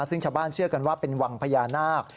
ซึ่งชาวบ้านเชื่อกันว่าเป็นวังพญานาค